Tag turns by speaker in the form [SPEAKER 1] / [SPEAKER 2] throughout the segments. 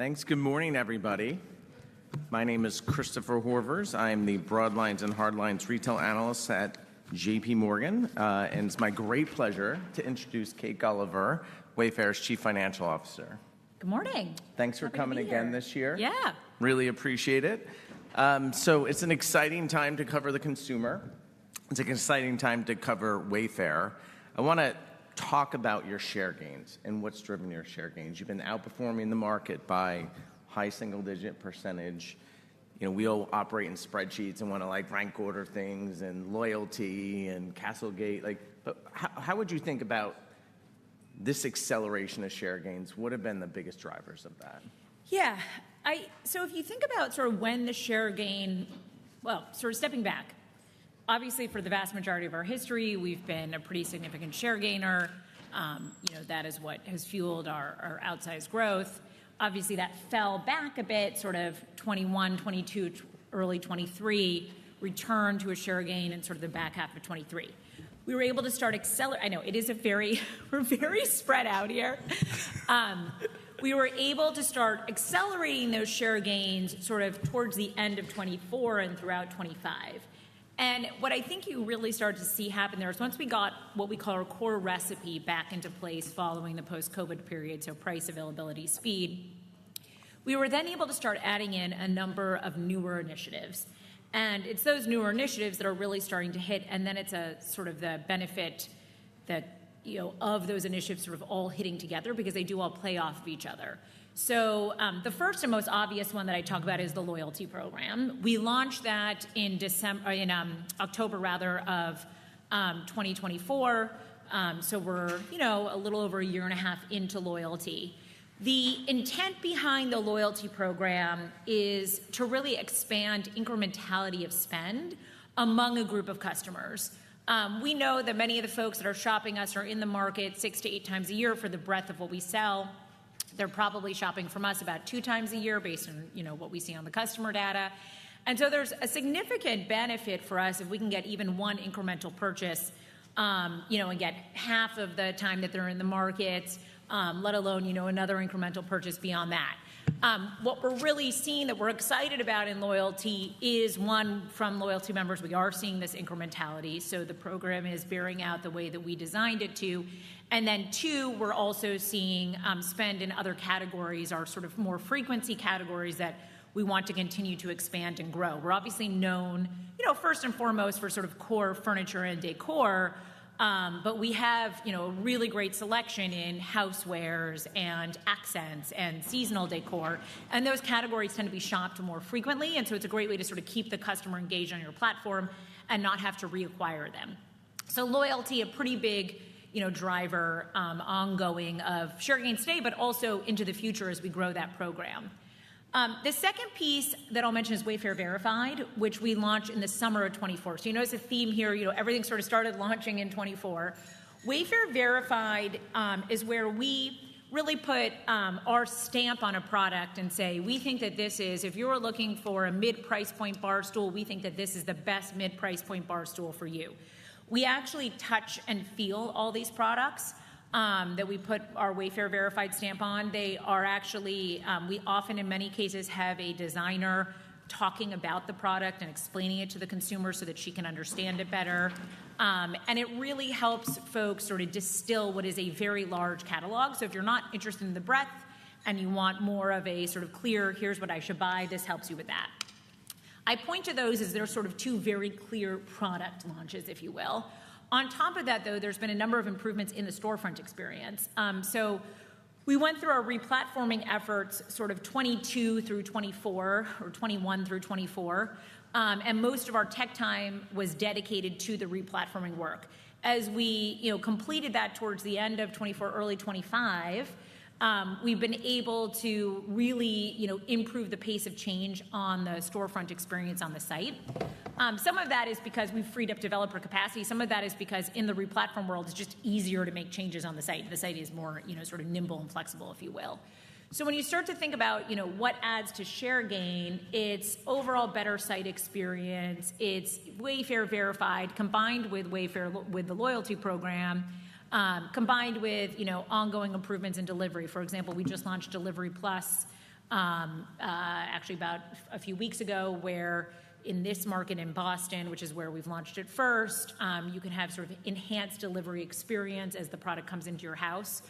[SPEAKER 1] Thanks. Good morning, everybody. My name is Christopher Horvers. I am the broadlines and hardlines retail analyst at JPMorgan, and it's my great pleasure to introduce Kate Gulliver, Wayfair's Chief Financial Officer.
[SPEAKER 2] Good morning.
[SPEAKER 1] Thanks for coming again this year.
[SPEAKER 2] Happy to be here. Yeah.
[SPEAKER 1] Really appreciate it. It's an exciting time to cover the consumer. It's an exciting time to cover Wayfair. I wanna talk about your share gains and what's driven your share gains. You've been outperforming the market by high single-digit percentage. You know, we all operate in spreadsheets and wanna, like, rank order things and loyalty and CastleGate, like, how would you think about this acceleration of share gains? What have been the biggest drivers of that?
[SPEAKER 2] If you think about sort of when the share gain, sort of stepping back, obviously, for the vast majority of our history, we've been a pretty significant share gainer. You know, that is what has fueled our outsized growth. Obviously, that fell back a bit, sort of 2021, 2022, early 2023, returned to a share gain in sort of the back half of 2023. We were able to start accelerating. I know, it is a very we're very spread out here. We were able to start accelerating those share gains sort of towards the end of 2024 and throughout 2025. What I think you really started to see happen there is once we got what we call our core recipe back into place following the post-COVID period, so price, availability, speed, we were then able to start adding in a number of newer initiatives. It's those newer initiatives that are really starting to hit, and then it's a sort of the benefit that, you know, of those initiatives sort of all hitting together because they do all play off of each other. The first and most obvious one that I talk about is the loyalty program. We launched that in October rather of 2024. We're, you know, a little over a year and a half into loyalty. The intent behind the loyalty program is to really expand incrementality of spend among a group of customers. We know that many of the folks that are shopping us are in the market six to eight times a year for the breadth of what we sell. They're probably shopping from us about two times a year based on, you know, what we see on the customer data. There's a significant benefit for us if we can get even one incremental purchase, you know, and get half of the time that they're in the markets, let alone, you know, another incremental purchase beyond that. What we're really seeing that we're excited about in loyalty is, one, from loyalty members, we are seeing this incrementality, so the program is bearing out the way that we designed it to. Two, we're also seeing spend in other categories are sort of more frequency categories that we want to continue to expand and grow. We're obviously known, you know, first and foremost for sort of core furniture and decor, but we have, you know, a really great selection in housewares and accents and seasonal decor, and those categories tend to be shopped more frequently, and so it's a great way to sort of keep the customer engaged on your platform and not have to reacquire them. Loyalty, a pretty big, you know, driver, ongoing of share gains today, but also into the future as we grow that program. The second piece that I'll mention is Wayfair Verified, which we launched in the summer of 2024. You notice a theme here. You know, everything sort of started launching in 2024. Wayfair Verified is where we really put our stamp on a product and say, "If you're looking for a mid-price point bar stool, we think that this is the best mid-price point bar stool for you." We actually touch and feel all these products that we put our Wayfair Verified stamp on. We often, in many cases, have a designer talking about the product and explaining it to the consumer so that she can understand it better. It really helps folks sort of distill what is a very large catalog. If you're not interested in the breadth and you want more of a sort of clear, "Here's what I should buy," this helps you with that. I point to those as they're sort of two very clear product launches, if you will. On top of that, though, there's been a number of improvements in the storefront experience. We went through our replatforming efforts sort of 2022 through 2024 or 2021 through 2024, and most of our tech time was dedicated to the replatforming work. As we, you know, completed that towards the end of 2024, early 2025, we've been able to really, you know, improve the pace of change on the storefront experience on the site. Some of that is because we've freed up developer capacity. Some of that is because in the replatform world, it's just easier to make changes on the site. The site is more, you know, sort of nimble and flexible, if you will. When you start to think about, you know, what adds to share gain, it's overall better site experience, it's Wayfair Verified combined with Wayfair with the loyalty program, combined with, you know, ongoing improvements in delivery. For example, we just launched Delivery Plus, actually about a few weeks ago, where in this market in Boston, which is where we've launched it first, you can have sort of enhanced delivery experience as the product comes into your house.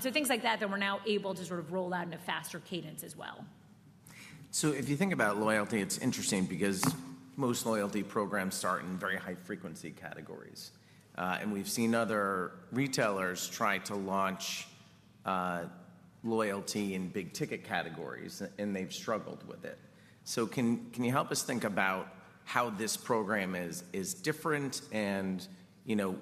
[SPEAKER 2] Things like that we're now able to sort of roll out in a faster cadence as well.
[SPEAKER 1] If you think about loyalty, it's interesting because most loyalty programs start in very high-frequency categories. We've seen other retailers try to launch loyalty in big-ticket categories, and they've struggled with it. Can you help us think about how this program is different? You know,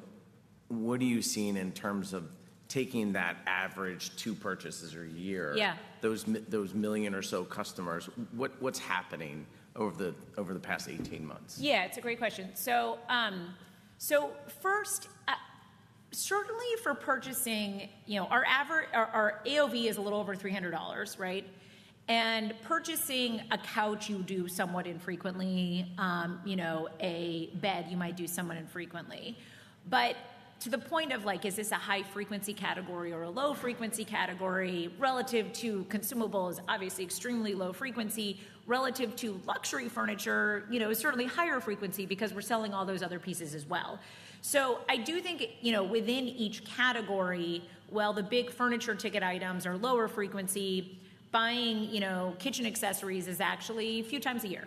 [SPEAKER 1] what are you seeing in terms of taking that average two purchases a year?
[SPEAKER 2] Yeah.
[SPEAKER 1] Those million or so customers, what's happening over the past 18 months?
[SPEAKER 2] Yeah, it's a great question. First, certainly for purchasing, you know, our AOV is a little over $300, right? Purchasing a couch, you do somewhat infrequently. You know, a bed, you might do somewhat infrequently. To the point of like, is this a high-frequency category or a low-frequency category, relative to consumables, obviously extremely low frequency. Relative to luxury furniture, you know, certainly higher frequency because we're selling all those other pieces as well. I do think, you know, within each category, while the big furniture ticket items are lower frequency, buying, you know, kitchen accessories is actually a few times a year.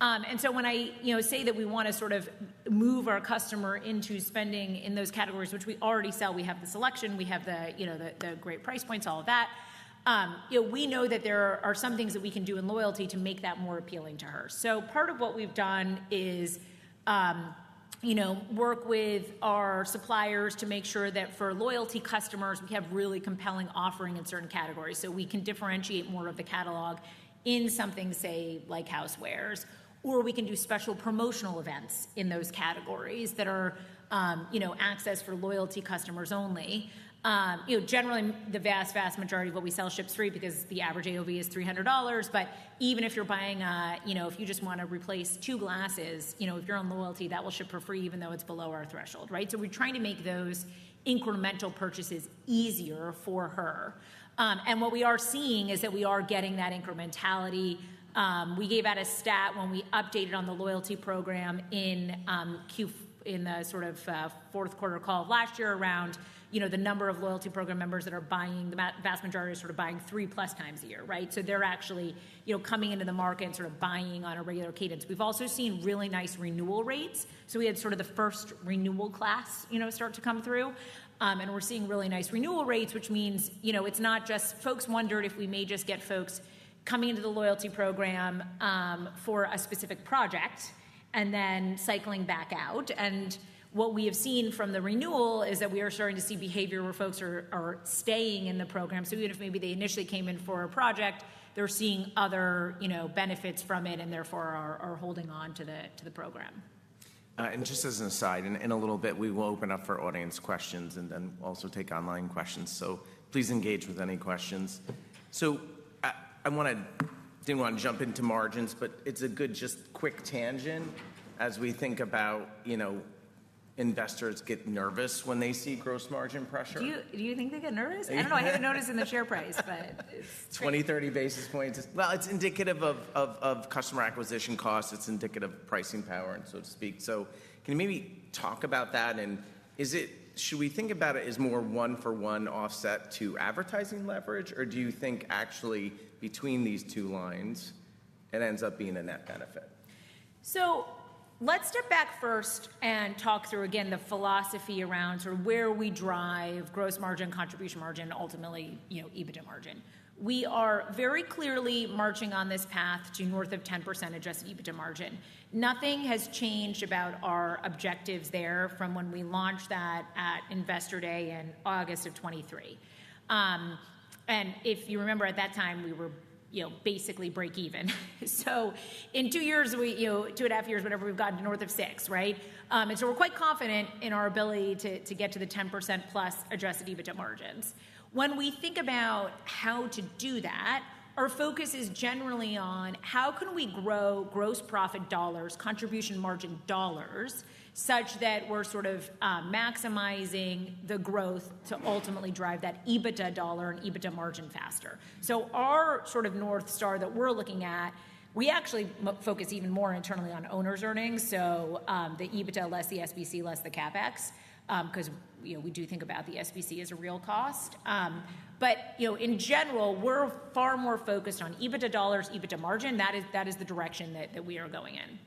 [SPEAKER 2] When I, you know, say that we wanna sort of move our customer into spending in those categories which we already sell, we have the selection, we have the, you know, the great price points, all of that, you know, we know that there are some things that we can do in loyalty to make that more appealing to her. Part of what we've done is, you know, work with our suppliers to make sure that for loyalty customers, we have really compelling offering in certain categories, so we can differentiate more of the catalog in something, say, like housewares. We can do special promotional events in those categories that are, you know, access for loyalty customers only. You know, generally the vast majority of what we sell ships free because the average AOV is $300. Even if you're buying, you know, if you just wanna replace two glasses, you know, if you're on loyalty, that will ship for free even though it's below our threshold, right? We're trying to make those incremental purchases easier for her. What we are seeing is that we are getting that incrementality. We gave out a stat when we updated on the loyalty program in the fourth quarter call of last year around, you know, the number of loyalty program members that are buying, the vast majority are sort of buying three plus times a year, right? They're actually, you know, coming into the market and sort of buying on a regular cadence. We've also seen really nice renewal rates, so we had sort of the first renewal class, you know, start to come through. We're seeing really nice renewal rates, which means, you know, Folks wondered if we may just get folks coming into the loyalty program for a specific project and then cycling back out. What we have seen from the renewal is that we are starting to see behavior where folks are staying in the program. Even if maybe they initially came in for a project, they're seeing other, you know, benefits from it and therefore are holding on to the program.
[SPEAKER 1] Just as an aside, in a little bit we will open up for audience questions and then also take online questions. Please engage with any questions. I didn't wanna jump into margins, but it's a good just quick tangent as we think about, you know, investors get nervous when they see gross margin pressure.
[SPEAKER 2] Do you think they get nervous? I don't know, I haven't noticed in the share price.
[SPEAKER 1] 20, 30 basis points. Well, it's indicative of customer acquisition costs, it's indicative of pricing power and so to speak. Can you maybe talk about that? Should we think about it as more one-for-one offset to advertising leverage, or do you think actually between these two lines it ends up being a net benefit?
[SPEAKER 2] Let's step back first and talk through again the philosophy around where we drive gross margin, contribution margin, ultimately, you know, EBITDA margin. We are very clearly marching on this path to north of 10% Adjusted EBITDA margin. Nothing has changed about our objectives there from when we launched that at Investor Day in August of 2023. If you remember at that time, we were, you know, basically break even. In two years, we, you know, two and a half years, whatever, we've gotten to north of 6%, right? We're quite confident in our ability to get to the 10%+ Adjusted EBITDA margins. When we think about how to do that, our focus is generally on how can we grow gross profit dollars, contribution margin dollars, such that we're sort of maximizing the growth to ultimately drive that EBITDA dollar and EBITDA margin faster. Our sort of north star that we're looking at, we actually focus even more internally on owner's earnings, the EBITDA less the SBC, less the CapEx, 'cause, you know, we do think about the SBC as a real cost. You know, in general, we're far more focused on EBITDA dollars, EBITDA margin. That is the direction that we are going in.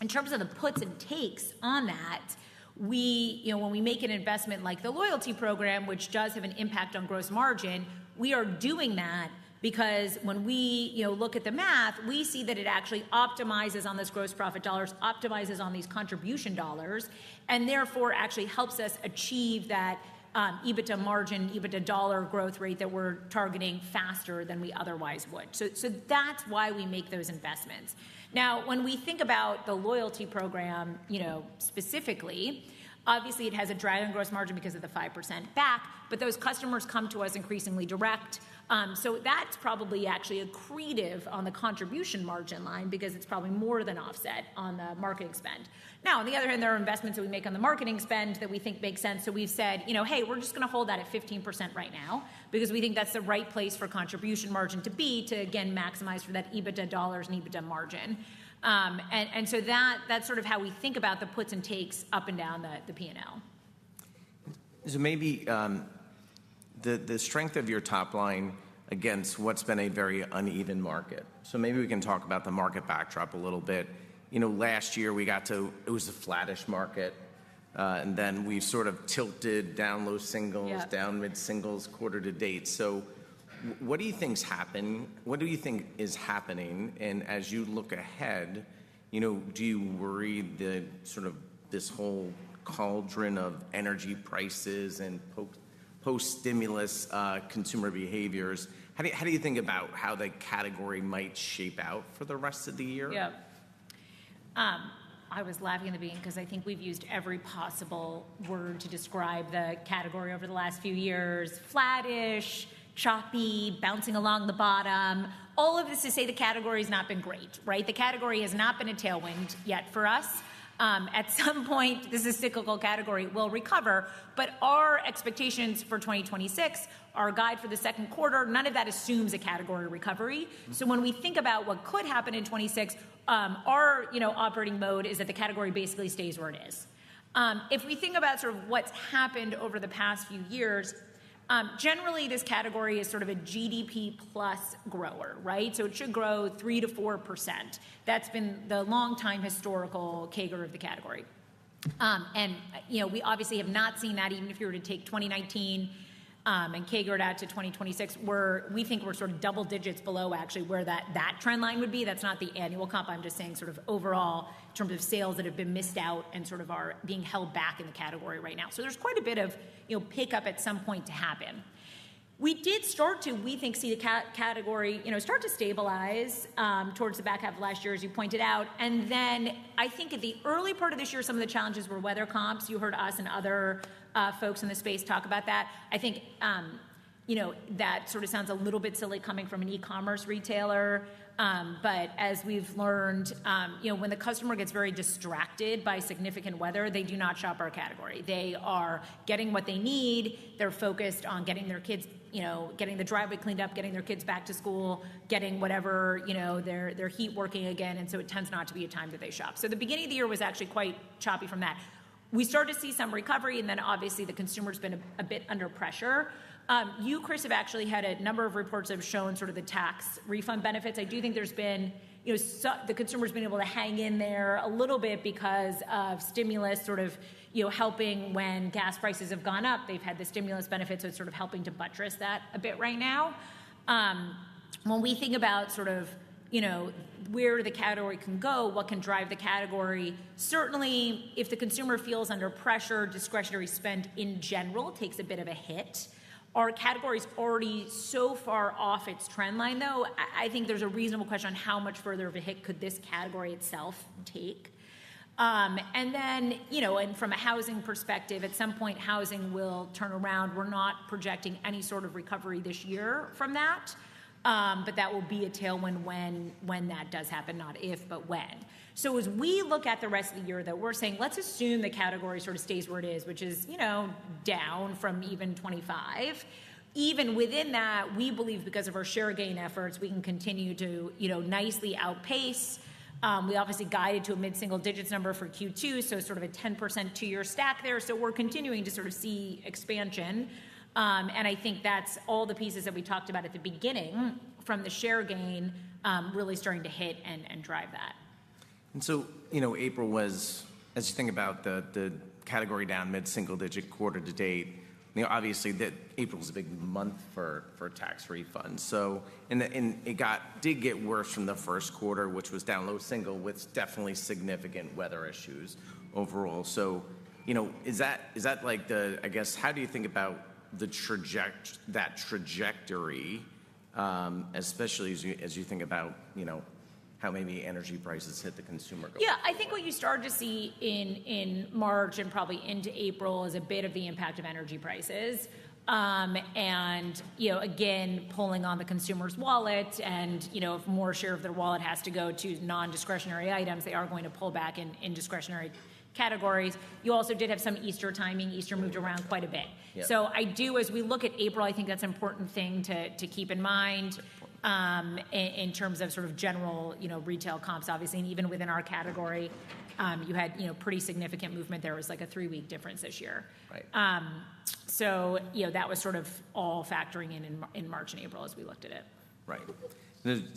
[SPEAKER 2] In terms of the puts and takes on that, you know, when we make an investment like the loyalty program, which does have an impact on gross margin, we are doing that because when we, you know, look at the math, we see that it actually optimizes on those gross profit dollars, optimizes on these contribution dollars, and therefore actually helps us achieve that EBITDA margin, EBITDA dollar growth rate that we're targeting faster than we otherwise would. That's why we make those investments. When we think about the loyalty program, you know, specifically, obviously it has a drag on gross margin because of the 5% back, but those customers come to us increasingly direct. That's probably actually accretive on the contribution margin line because it's probably more than offset on the marketing spend. On the other hand, there are investments that we make on the marketing spend that we think make sense, so we've said, you know, "Hey, we're just gonna hold that at 15% right now," because we think that's the right place for contribution margin to be to again maximize for that EBITDA dollars and EBITDA margin. So that's sort of how we think about the puts and takes up and down the P&L.
[SPEAKER 1] The strength of your top line against what's been a very uneven market. We can talk about the market backdrop a little bit. You know, last year it was a flattish market, and then we sort of tilted down low singles.
[SPEAKER 2] Yeah.
[SPEAKER 1] down mid-singles quarter to date. What do you think is happening? As you look ahead, you know, do you worry that sort of this whole cauldron of energy prices and post-stimulus consumer behaviors, how do you, how do you think about how the category might shape out for the rest of the year?
[SPEAKER 2] I was laughing in the beginning 'cause I think we've used every possible word to describe the category over the last few years. Flattish, choppy, bouncing along the bottom. All of this to say the category's not been great, right? The category has not been a tailwind yet for us. At some point, this is cyclical category will recover, but our expectations for 2026, our guide for the second quarter, none of that assumes a category recovery. When we think about what could happen in 2026, our, you know, operating mode is that the category basically stays where it is. If we think about sort of what's happened over the past few years, generally, this category is sort of a GDP plus grower, right? It should grow 3%-4%. That's been the long time historical CAGR of the category. And, you know, we obviously have not seen that even if you were to take 2019 and CAGR it out to 2026. We think we're sort of double digits below actually where that trend line would be. That's not the annual comp. I'm just saying sort of overall in terms of sales that have been missed out and sort of are being held back in the category right now. There's quite a bit of, you know, pickup at some point to happen. We did start to, we think, see the category, you know, start to stabilize towards the back half of last year, as you pointed out. I think at the early part of this year, some of the challenges were weather comps. You heard us and other folks in the space talk about that. I think, you know, that sort of sounds a little bit silly coming from an e-commerce retailer. As we've learned, you know, when the customer gets very distracted by significant weather, they do not shop our category. They are getting what they need. They're focused on getting their kids, you know, getting the driveway cleaned up, getting their kids back to school, getting whatever, you know, their heat working again. It tends not to be a time that they shop. The beginning of the year was actually quite choppy from that. We started to see some recovery, obviously the consumer's been a bit under pressure. You, Chris, have actually had a number of reports that have shown sort of the tax refund benefits. I do think there's been, you know, the consumer's been able to hang in there a little bit because of stimulus sort of, you know, helping when gas prices have gone up. They've had the stimulus benefits, it's sort of helping to buttress that a bit right now. When we think about sort of, you know, where the category can go, what can drive the category, certainly if the consumer feels under pressure, discretionary spend in general takes a bit of a hit. Our category's already so far off its trend line, though. I think there's a reasonable question on how much further of a hit could this category itself take. You know, from a housing perspective, at some point, housing will turn around. We're not projecting any sort of recovery this year from that. That will be a tailwind when that does happen, not if, but when. As we look at the rest of the year, though, we're saying, let's assume the category sort of stays where it is, which is, you know, down from even 25. Even within that, we believe because of our share gain efforts, we can continue to, you know, nicely outpace. We obviously guided to a mid-single digits number for Q2, so sort of a 10% two-year stack there. We're continuing to sort of see expansion. I think that's all the pieces that we talked about at the beginning from the share gain, really starting to hit and drive that.
[SPEAKER 1] You know, April was, as you think about the category down mid-single digit quarter-to-date, you know, obviously that April's a big month for tax refunds. It did get worse from the first quarter, which was down low single with definitely significant weather issues overall. You know, is that like the, I guess, how do you think about that trajectory, especially as you, as you think about, you know, how maybe energy prices hit the consumer going forward?
[SPEAKER 2] Yeah. I think what you started to see in March and probably into April is a bit of the impact of energy prices. you know, again, pulling on the consumer's wallet and, you know, if more share of their wallet has to go to non-discretionary items, they are going to pull back in discretionary categories. You also did have some Easter timing. Easter moved around quite a bit.
[SPEAKER 1] Yeah.
[SPEAKER 2] I do, as we look at April, I think that's an important thing to keep in mind, in terms of sort of general, you know, retail comps, obviously. Even within our category, you had, you know, pretty significant movement. There was like a three-week difference this year.
[SPEAKER 1] Right.
[SPEAKER 2] You know, that was sort of all factoring in March and April as we looked at it.
[SPEAKER 1] Right.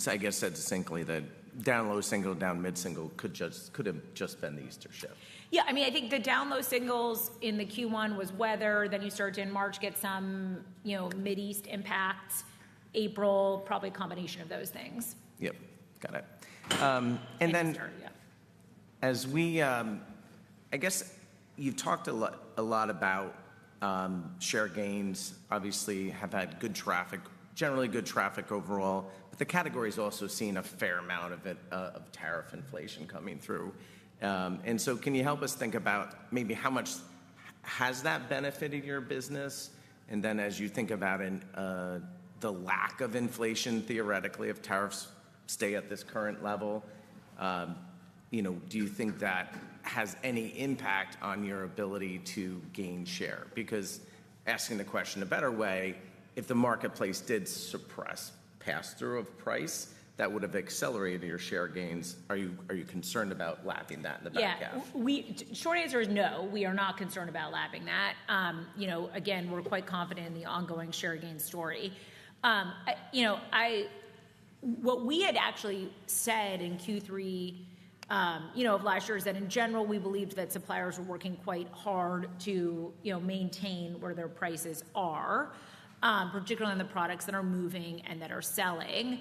[SPEAKER 1] I guess, said succinctly that down low single, down mid-single could have just been the Easter shift.
[SPEAKER 2] Yeah. I mean, I think the down low singles in the Q1 was weather. You started to, in March, get some, you know, Mideast impacts. April, probably a combination of those things.
[SPEAKER 1] Yep. Got it.
[SPEAKER 2] Easter, yeah.
[SPEAKER 1] As we, I guess you've talked a lot about share gains, obviously have had good traffic, generally good traffic overall, but the category's also seen a fair amount of it, of tariff inflation coming through. Can you help us think about maybe how much has that benefited your business? As you think about in the lack of inflation theoretically, if tariffs stay at this current level, you know, do you think that has any impact on your ability to gain share? Asking the question a better way, if the marketplace did suppress pass-through of price, that would have accelerated your share gains. Are you concerned about lapping that in the back half?
[SPEAKER 2] Yeah. Short answer is no, we are not concerned about lapping that. You know, again, we're quite confident in the ongoing share gain story. You know, what we had actually said in Q3, you know, of last year is that in general, we believed that suppliers were working quite hard to, you know, maintain where their prices are, particularly on the products that are moving and that are selling.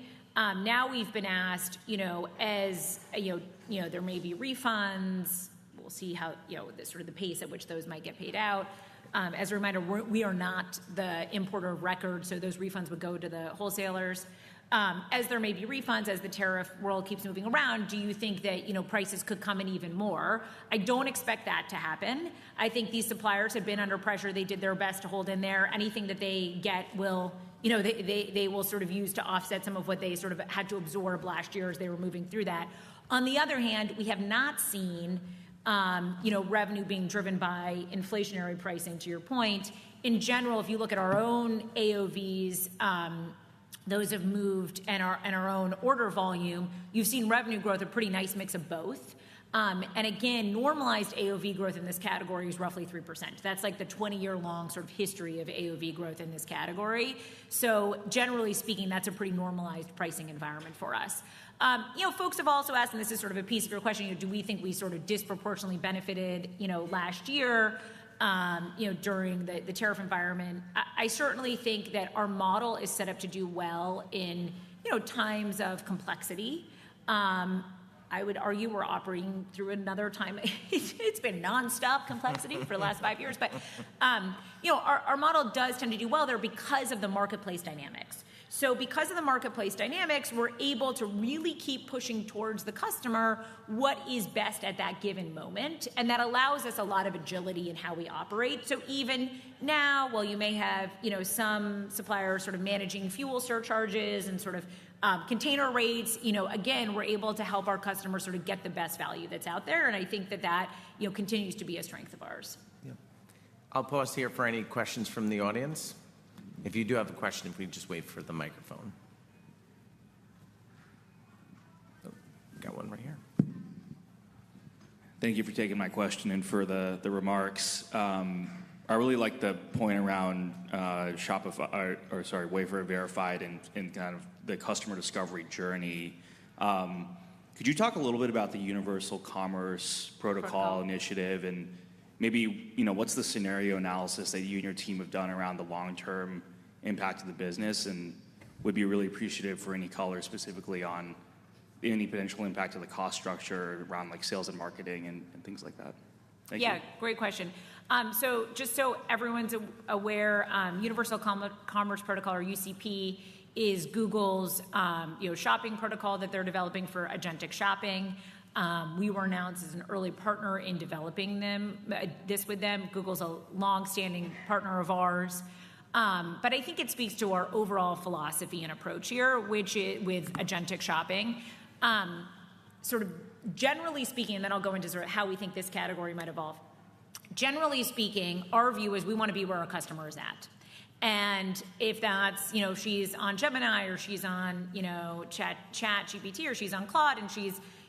[SPEAKER 2] We've been asked, you know, as, you know, there may be refunds. We'll see how, you know, the sort of the pace at which those might get paid out. As a reminder, we are not the importer of record, those refunds would go to the wholesalers. As there may be refunds, as the tariff world keeps moving around, do you think that, you know, prices could come in even more? I don't expect that to happen. I think these suppliers have been under pressure. They did their best to hold in there. Anything that they get will, you know, they will sort of use to offset some of what they sort of had to absorb last year as they were moving through that. On the other hand, we have not seen, you know, revenue being driven by inflationary pricing, to your point. In general, if you look at our own AOVs, those have moved and our, and our own order volume, you've seen revenue growth, a pretty nice mix of both. And again, normalized AOV growth in this category is roughly 3%. That's like the 20-year-long sort of history of AOV growth in this category. Generally speaking, that's a pretty normalized pricing environment for us. You know, folks have also asked, and this is sort of a piece of your question, you know, do we think we sort of disproportionately benefited, you know, last year, during the tariff environment? I certainly think that our model is set up to do well in, you know, times of complexity. I would argue we're operating through another time. It's been nonstop complexity for the last five years. You know, our model does tend to do well there because of the marketplace dynamics. Because of the marketplace dynamics, we're able to really keep pushing towards the customer what is best at that given moment, and that allows us a lot of agility in how we operate. Even now, while you may have, you know, some suppliers sort of managing fuel surcharges and sort of, container rates, you know, again, we're able to help our customers sort of get the best value that's out there. I think that, you know, continues to be a strength of ours.
[SPEAKER 1] Yeah. I'll pause here for any questions from the audience. If you do have a question, if we can just wait for the microphone. Got one right here.
[SPEAKER 3] Thank you for taking my question and for the remarks. I really like the point around Wayfair Verified and kind of the customer discovery journey. Could you talk a little bit about the Universal Commerce Protocol initiative and maybe, you know, what's the scenario analysis that you and your team have done around the long-term impact of the business? Would be really appreciative for any color specifically on any potential impact of the cost structure around like sales and marketing and things like that. Thank you.
[SPEAKER 2] Great question. Just so everyone's aware, Universal Commerce Protocol, or UCP, is Google's, you know, shopping protocol that they're developing for agentic shopping. We were announced as an early partner in developing them, this with them. Google's a longstanding partner of ours. I think it speaks to our overall philosophy and approach here, with agentic shopping. Sort of generally speaking, I'll go into sort of how we think this category might evolve. Generally speaking, our view is we wanna be where our customer is at. If that's, you know, she's on Gemini or she's on, you know, ChatGPT, or she's on Claude and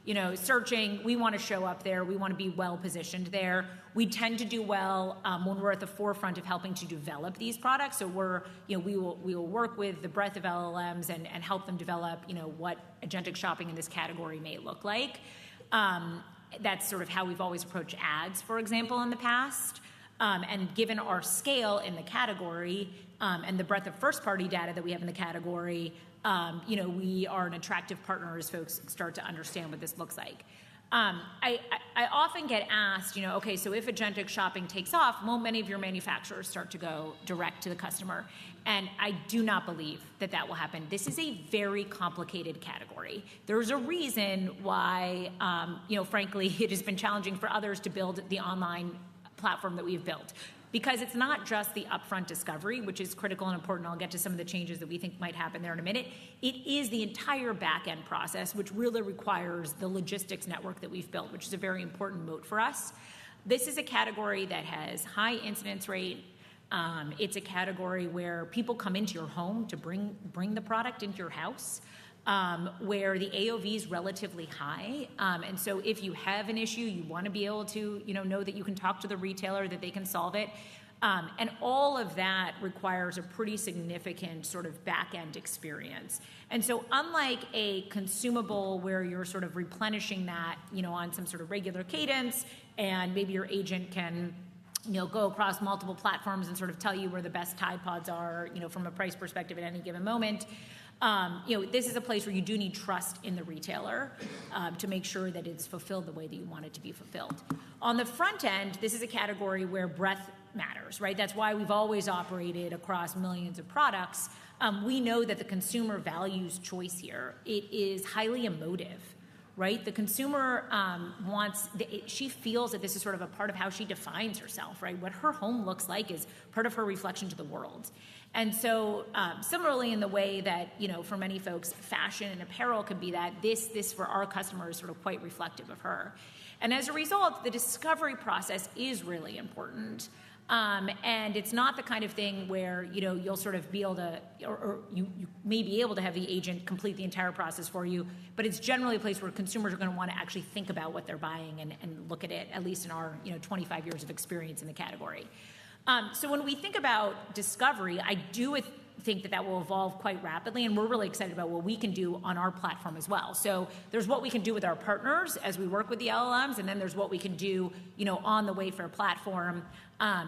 [SPEAKER 2] she's, you know, searching, we wanna show up there. We wanna be well-positioned there. We tend to do well when we're at the forefront of helping to develop these products. You know, we will work with the breadth of LLMs and help them develop, you know, what agentic shopping in this category may look like. That's sort of how we've always approached ads, for example, in the past. And given our scale in the category, and the breadth of first-party data that we have in the category, you know, we are an attractive partner as folks start to understand what this looks like. I often get asked, you know, "Okay, if agentic shopping takes off, won't many of your manufacturers start to go direct to the customer?" I do not believe that that will happen. This is a very complicated category. There's a reason why, you know, frankly, it has been challenging for others to build the online platform that we've built. It's not just the upfront discovery, which is critical and important, and I'll get to some of the changes that we think might happen there in a minute. It is the entire back-end process, which really requires the logistics network that we've built, which is a very important moat for us. This is a category that has high incidence rate. It's a category where people come into your home to bring the product into your house, where the AOV's relatively high. If you have an issue, you wanna be able to, you know that you can talk to the retailer, that they can solve it. All of that requires a pretty significant sort of back-end experience. Unlike a consumable where you're sort of replenishing that, you know, on some sort of regular cadence and maybe your agent can, you know, go across multiple platforms and sort of tell you where the best Tide PODS are, you know, from a price perspective at any given moment, this is a place where you do need trust in the retailer to make sure that it's fulfilled the way that you want it to be fulfilled. On the front end, this is a category where breadth matters, right? That's why we've always operated across millions of products. We know that the consumer values choice here. It is highly emotive, right? The consumer she feels that this is sort of a part of how she defines herself, right? What her home looks like is part of her reflection to the world. Similarly in the way that, you know, for many folks, fashion and apparel could be that, this for our customer is sort of quite reflective of her. As a result, the discovery process is really important. It's not the kind of thing where, you know, you'll sort of be able to or you may be able to have the agent complete the entire process for you, but it's generally a place where consumers are gonna wanna actually think about what they're buying and look at it, at least in our, you know, 25 years of experience in the category. When we think about discovery, I do think that that will evolve quite rapidly, and we're really excited about what we can do on our platform as well. There's what we can do with our partners as we work with the LLMs, and then there's what we can do, you know, on the Wayfair platform.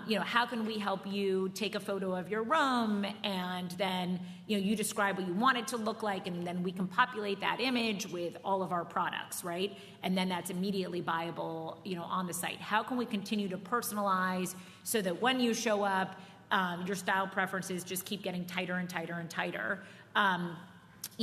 [SPEAKER 2] You know, how can we help you take a photo of your room and then, you know, you describe what you want it to look like, and then we can populate that image with all of our products, right? That's immediately buyable, you know, on the site. How can we continue to personalize so that when you show up, your style preferences just keep getting tighter and tighter and tighter? You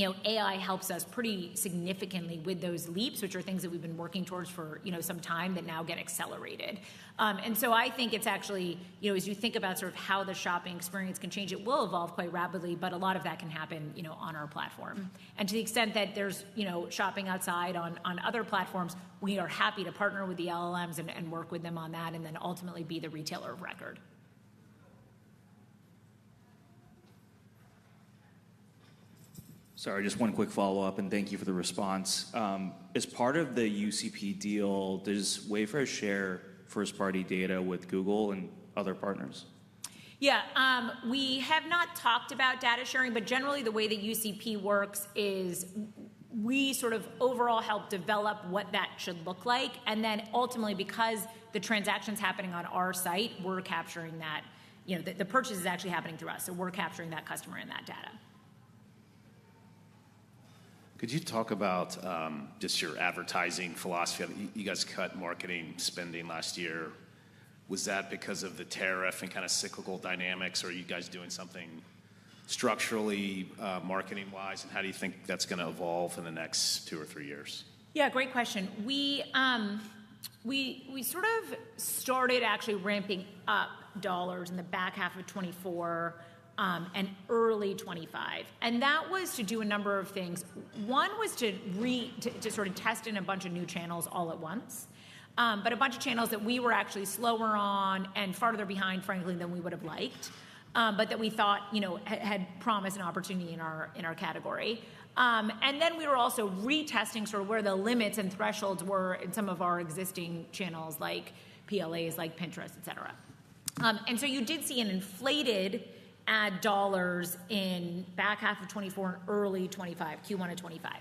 [SPEAKER 2] know, AI helps us pretty significantly with those leaps, which are things that we've been working towards for, you know, some time that now get accelerated. I think it's actually, you know, as you think about sort of how the shopping experience can change, it will evolve quite rapidly, but a lot of that can happen, you know, on our platform. To the extent that there's, you know, shopping outside on other platforms, we are happy to partner with the LLMs and work with them on that and then ultimately be the retailer of record.
[SPEAKER 3] Sorry, just one quick follow-up, and thank you for the response. As part of the UCP deal, does Wayfair share first-party data with Google and other partners?
[SPEAKER 2] Yeah. We have not talkes about data. Generally the way the UCP works is we sort of overall help develop what that should look like, and then ultimately, because the transaction's happening on our site, we're capturing that. You know, the purchase is actually happening through us, so we're capturing that customer and that data.
[SPEAKER 1] Could you talk about just your advertising philosophy? You guys cut marketing spending last year. Was that because of the tariff and kinda cyclical dynamics, or are you guys doing something structurally marketing-wise? How do you think that's gonna evolve in the next two or three years?
[SPEAKER 2] Yeah, great question. We sort of started actually ramping up dollars in the back half of 2024 and early 2025. That was to do a number of things. One was to test in a bunch of new channels all at once. A bunch of channels that we were actually slower on and farther behind, frankly, than we would've liked, but that we thought, you know, had promise and opportunity in our category. We were also retesting sort of where the limits and thresholds were in some of our existing channels like PLAs, like Pinterest, et cetera. You did see an inflated ad dollars in back half of 2024 and early 2025, Q1 of 2025.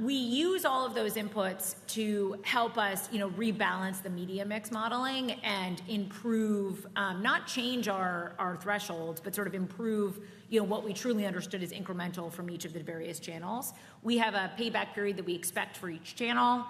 [SPEAKER 2] We use all of those inputs to help us, you know, rebalance the media mix modeling and improve, not change our thresholds, but sort of improve, you know, what we truly understood is incremental from each of the various channels. We have a payback period that we expect for each channel.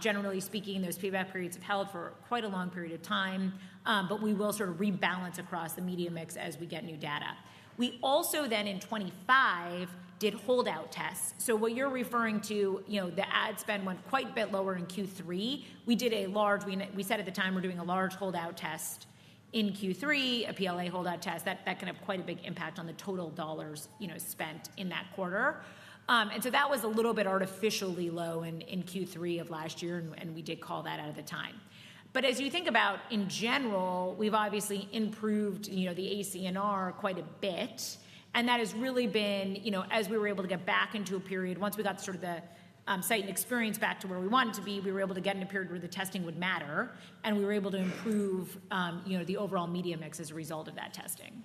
[SPEAKER 2] Generally speaking, those payback periods have held for quite a long period of time, but we will sort of rebalance across the media mix as we get new data. We also then in 2025 did holdout tests. What you're referring to, you know, the ad spend went quite a bit lower in Q3. We said at the time we're doing a large holdout test in Q3, a PLA holdout test. That can have quite a big impact on the total dollars, you know, spent in that quarter. That was a little bit artificially low in Q3 of last year, we did call that out at the time. As you think about in general, we've obviously improved, you know, the ACNR quite a bit, and that has really been, you know, as we were able to get back into a period, once we got sort of the site and experience back to where we wanted to be, we were able to get in a period where the testing would matter, and we were able to improve, you know, the overall media mix as a result of that testing.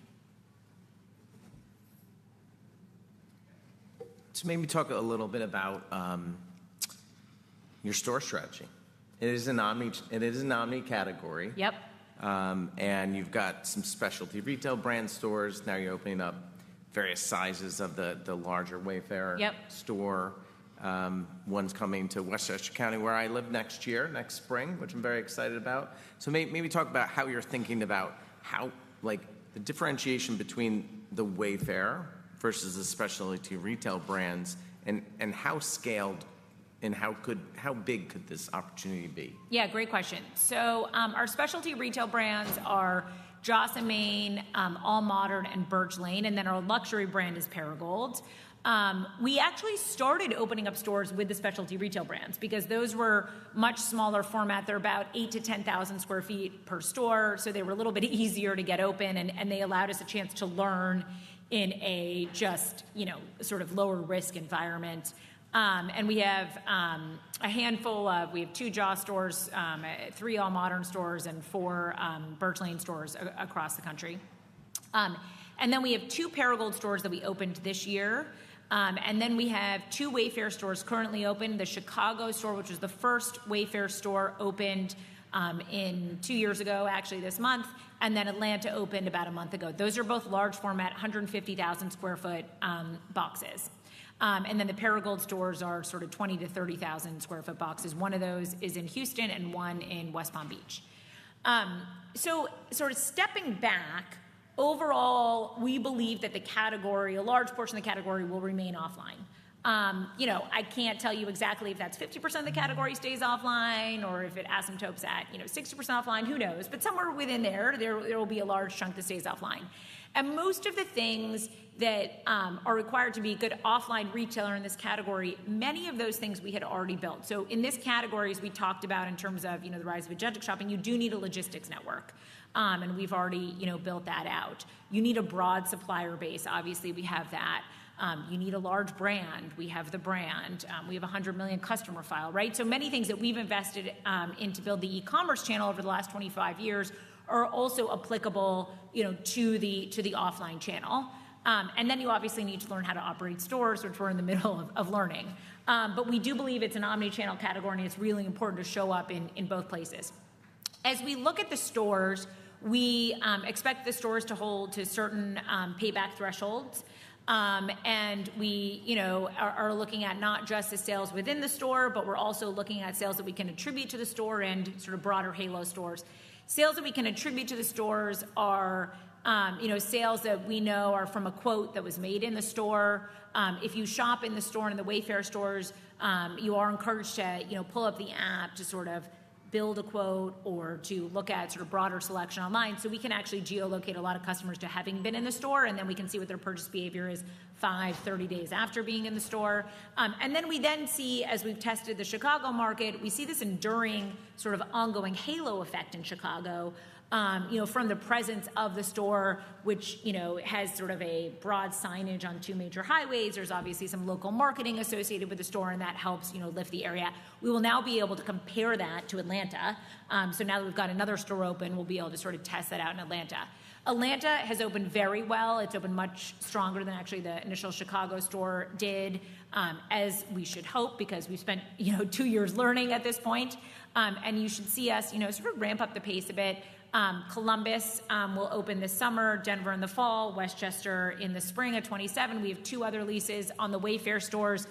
[SPEAKER 1] Maybe talk a little bit about your store strategy. It is an omni category.
[SPEAKER 2] Yep.
[SPEAKER 1] You've got some specialty retail brand stores. Now you're opening up various sizes of the larger Wayfair.
[SPEAKER 2] Yep
[SPEAKER 1] Store. One's coming to Westchester County, where I live, next year, next spring, which I'm very excited about. Maybe talk about how you're thinking about how, like, the differentiation between the Wayfair versus the specialty retail brands and how scaled and how big could this opportunity be?
[SPEAKER 2] Yeah, great question. Our specialty retail brands are Joss & Main, AllModern, and Birch Lane, and then our luxury brand is Perigold. We actually started opening up stores with the specialty retail brands because those were much smaller format. They're about 8,000 sq ft-10,000 sq ft per store, so they were a little bit easier to get open, and they allowed us a chance to learn in a just, you know, sort of lower-risk environment. And we have two Joss stores, three AllModern stores, and four Birch Lane stores across the country. We have two Perigold stores that we opened this year, and we have two Wayfair stores currently open. The Chicago store, which was the first Wayfair store, opened in two years ago, actually this month, and then Atlanta opened about a month ago. Those are both large format, 150,000 square foot boxes. The Perigold stores are sort of 20,000 sq ft-30,000 sq ft boxes. One of those is in Houston and one in West Palm Beach. Sort of stepping back, overall, we believe that the category, a large portion of the category will remain offline. You know, I can't tell you exactly if that's 50% of the category stays offline or if it asymptotes at, you know, 60% offline. Who knows? Somewhere within there will be a large chunk that stays offline. Most of the things that are required to be a good offline retailer in this category, many of those things we had already built. In this category, as we talked about in terms of, you know, the rise of agentic shopping, you do need a logistics network, and we've already, you know, built that out. You need a broad supplier base. Obviously, we have that. You need a large brand. We have the brand. We have a 100 million customer file, right? Many things that we've invested in to build the e-commerce channel over the last 25 years are also applicable, you know, to the, to the offline channel. You obviously need to learn how to operate stores, which we're in the middle of learning. We do believe it's an omni-channel category, and it's really important to show up in both places. As we look at the stores, we expect the stores to hold to certain payback thresholds. We, you know, are looking at not just the sales within the store, but we're also looking at sales that we can attribute to the store and sort of broader halo stores. Sales that we can attribute to the stores are, you know, sales that we know are from a quote that was made in the store. If you shop in the Wayfair stores, you are encouraged to, you know, pull up the app to sort of build a quote or to look at sort of broader selection online. We can actually geo-locate a lot of customers to having been in the store, and then we can see what their purchase behavior is five, 30 days after being in the store. And then we then see, as we've tested the Chicago market, we see this enduring sort of ongoing halo effect in Chicago, you know, from the presence of the store, which, you know, has sort of a broad signage on two major highways. There's obviously some local marketing associated with the store, and that helps, you know, lift the area. We will now be able to compare that to Atlanta. Now that we've got another store open, we'll be able to sort of test that out in Atlanta. Atlanta has opened very well. It's opened much stronger than actually the initial Chicago store did, as we should hope because we've spent, you know, two years learning at this point. You should see us, you know, sort of ramp up the pace a bit. Columbus will open this summer, Denver in the fall, Westchester in the spring of 2027. We have two other leases on the Wayfair stores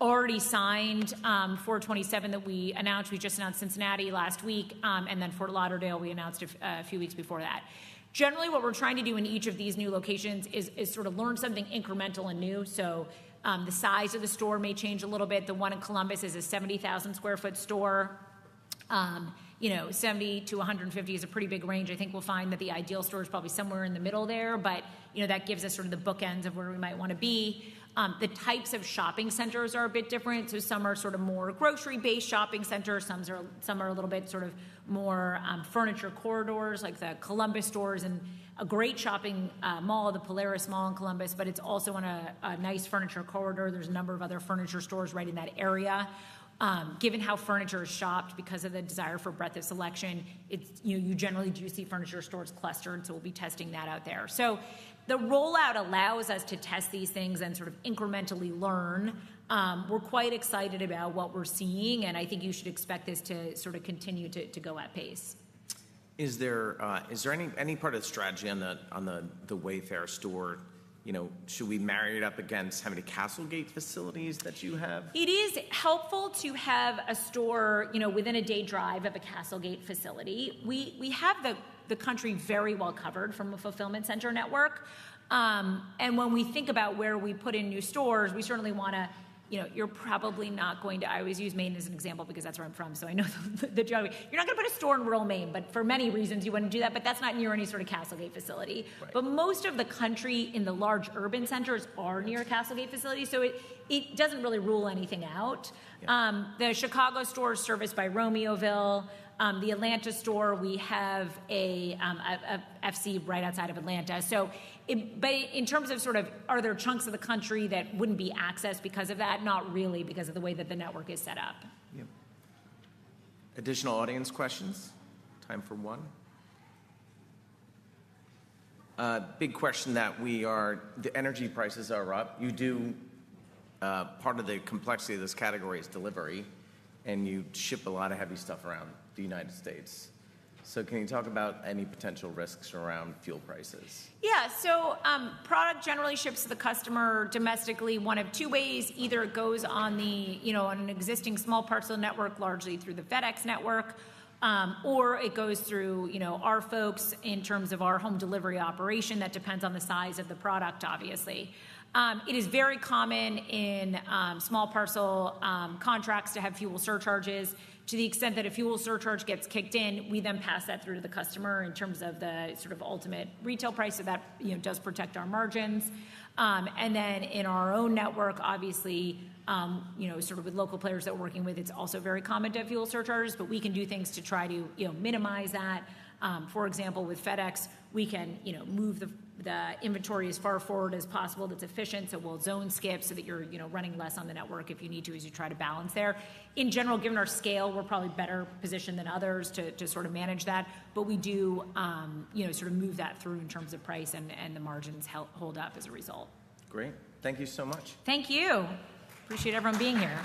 [SPEAKER 2] already signed for 2027 that we announced. We just announced Cincinnati last week, Fort Lauderdale we announced a few weeks before that. Generally, what we're trying to do in each of these new locations is sort of learn something incremental and new. The size of the store may change a little bit. The one in Columbus is a 70,000 sq ft store. You know, 70,000 sq ft-150,000 sq ft is a pretty big range. I think we'll find that the ideal store is probably somewhere in the middle there, but, you know, that gives us sort of the bookends of where we might wanna be. The types of shopping centers are a bit different. Some are sort of more grocery-based shopping centers, some are, some are a little bit sort of more furniture corridors, like the Columbus stores and a great shopping mall, the Polaris Mall in Columbus, but it's also on a nice furniture corridor. There's a number of other furniture stores right in that area. Given how furniture is shopped because of the desire for breadth of selection, you generally do see furniture stores clustered, so we'll be testing that out there. The rollout allows us to test these things and sort of incrementally learn. We're quite excited about what we're seeing, and I think you should expect this to sort of continue to go at pace.
[SPEAKER 1] Is there any part of the strategy on the Wayfair store? You know, should we marry it up against how many CastleGate facilities that you have?
[SPEAKER 2] It is helpful to have a store, you know, within a day drive of a CastleGate facility. We have the country very well covered from a fulfillment center network. When we think about where we put in new stores, we certainly wanna, you know. I always use Maine as an example because that's where I'm from, so I know the geography. You're not gonna put a store in rural Maine, but for many reasons you wouldn't do that, but that's not near any sort of CastleGate facility. Most of the country in the large urban centers are near CastleGate facilities, so it doesn't really rule anything out.
[SPEAKER 1] Yeah.
[SPEAKER 2] The Chicago store is serviced by Romeoville. The Atlanta store, we have a FC right outside of Atlanta. In terms of sort of are there chunks of the country that wouldn't be accessed because of that? Not really because of the way that the network is set up.
[SPEAKER 1] Yeah. Additional audience questions? Time for one. Big question that the energy prices are up. You do, part of the complexity of this category is delivery, and you ship a lot of heavy stuff around the United States. Can you talk about any potential risks around fuel prices?
[SPEAKER 2] Product generally ships to the customer domestically one of two ways. Either it goes on the, you know, on an existing small parcel network, largely through the FedEx network, or it goes through, you know, our folks in terms of our home delivery operation. That depends on the size of the product, obviously. It is very common in small parcel contracts to have fuel surcharges. To the extent that a fuel surcharge gets kicked in, we then pass that through to the customer in terms of the sort of ultimate retail price, so that, you know, does protect our margins. In our own network, obviously, you know, sort of with local players that we're working with, it's also very common to have fuel surcharges, but we can do things to try to, you know, minimize that. For example, with FedEx, we can, you know, move the inventory as far forward as possible that's efficient, so we'll zone skip so that you're, you know, running less on the network if you need to as you try to balance there. In general, given our scale, we're probably better positioned than others to sort of manage that, we do, you know, sort of move that through in terms of price and the margins hold up as a result.
[SPEAKER 1] Great. Thank you so much.
[SPEAKER 2] Thank you. Appreciate everyone being here.